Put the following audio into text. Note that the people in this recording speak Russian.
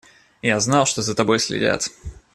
Я знал, что за тобой следят.